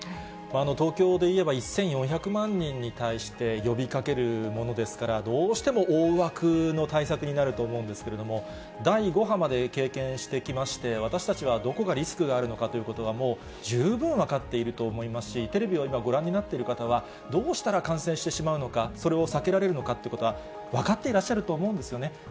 東京でいえば１４００万人に対して呼びかけるものですから、どうしても大枠の対策になると思うんですけれども、第５波まで経験してきまして、私たちはどこがリスクがあるのかということが、もう十分分かっていると思いますし、テレビを今ご覧になっている方は、どうしたら感染してしまうのか、それを避けられるのかってことは、分かっていらっしゃると思うんですよね。